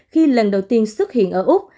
khi lần đầu tiên xuất hiện ở úc